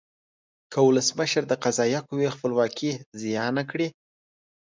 که ولسمشر د قضایه قوې خپلواکي زیانه کړي.